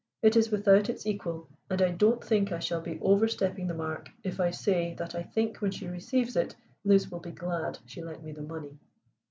It is without its equal, and I don't think I shall be overstepping the mark if I say that I think when she receives it Liz will be glad she lent me the money."